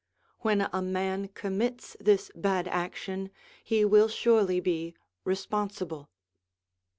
When a man commits this bad action, he will surely be responsible.